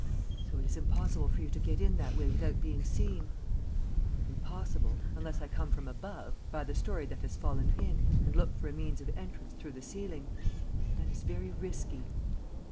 "So it is impossible for you to get in that way without being seen." "Impossible ... unless I come from above, by the story that has fallen in, and look for a means of entrance through the ceiling.... But that is very risky...."